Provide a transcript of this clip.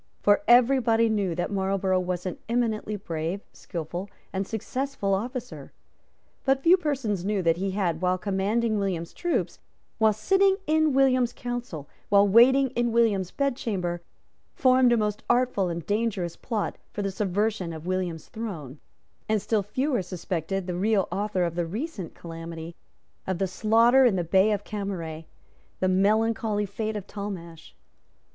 For every body knew that Marlborough was an eminently brave, skilful and successful officer; but very few persons knew that he had, while commanding William's troops, while sitting in William's council, while waiting in William's bedchamber, formed a most artful and dangerous plot for the subversion of William's throne; and still fewer suspected the real author of the recent calamity, of the slaughter in the Bay of Camaret, of the melancholy fate of Talmash.